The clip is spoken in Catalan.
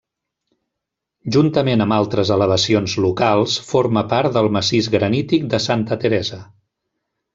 Juntament amb altres elevacions locals forma part del massís granític de Santa Teresa.